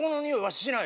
しない。